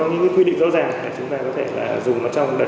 để chúng ta có thể dùng nó trong đời sống